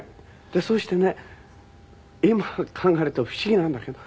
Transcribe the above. そうしてね今考えると不思議なんだけど。